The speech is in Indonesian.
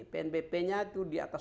pnbp nya itu di atas